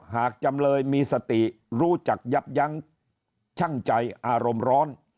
จำเลยมีสติรู้จักยับยั้งช่างใจอารมณ์ร้อน